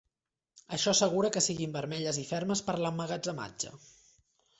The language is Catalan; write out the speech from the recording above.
Això assegura que siguin vermelles i fermes per l'emmagatzematge.